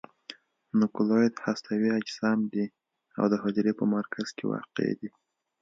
نوکلوئید هستوي اجسام دي او د حجرې په مرکز کې واقع دي.